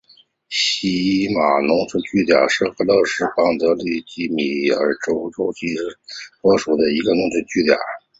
锡马农村居民点是俄罗斯联邦弗拉基米尔州尤里耶夫波利斯基区所属的一个农村居民点。